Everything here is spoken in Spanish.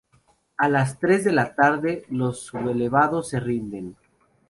A las tres de la tarde los sublevados se rinden.